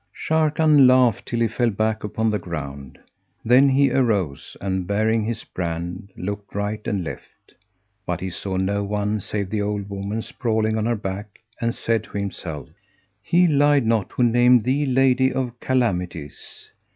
Sharrkan laughed till he fell back upon the ground. Then he arose and, baring his brand looked right and left, but he saw no one save the old woman sprawling on her back, and said to himself, "He lied not who named thee Lady of Calamities!